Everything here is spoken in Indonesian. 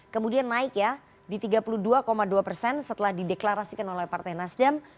kemudian naik ya di tiga puluh dua dua persen setelah dideklarasikan oleh partai nasdem